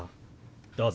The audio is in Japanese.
どうぞ。